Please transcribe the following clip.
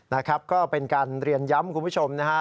นะครับก็เป็นการเรียนย้ำคุณผู้ชมนะฮะ